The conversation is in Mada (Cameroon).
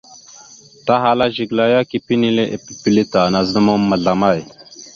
Tahala Zigəla ya, kepé enile pipile ta, nazəmam ma zlamay?